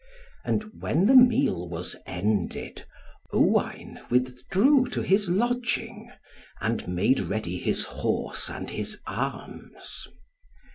And when the meal was ended, Owain withdrew to his lodging, and made ready his horse and his arms.